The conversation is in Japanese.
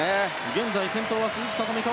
現在先頭は鈴木聡美